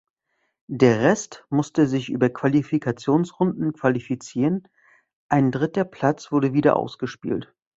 Der Rest musste sich über Qualifikationsrunden qualifizieren, ein dritter Platz wurde wieder ausgespielt.